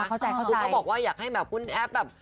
คือเขาบอกว่าอยากให้แบบคุณแอฟแบบ